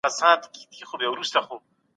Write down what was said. په خوړو کې اعتدال وکړئ.